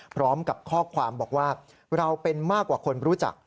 พร้อมกับข้อความบอกว่าเราเป็นมากกว่าคนรู้จัก